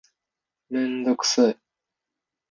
めんどくさい